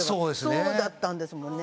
そうだったんですもんね。